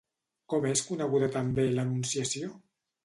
Com és coneguda també l'Anunciació?